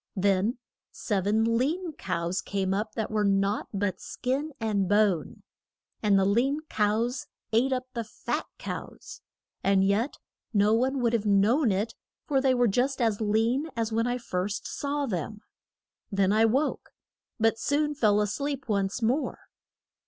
Then sev en lean cows came up that were naught but skin and bone. And the lean cows ate up the fat cows. And yet no one would have known it, for they were just as lean as when I first saw them. Then I woke, but soon fell a sleep once more.